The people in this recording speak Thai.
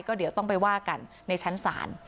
ก็เดี๋ยวต้องไปว่ากันในชั้นศาล